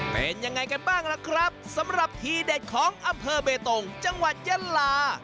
เป็นยังไงกันบ้างล่ะครับสำหรับทีเด็ดของอำเภอเบตงจังหวัดยะลา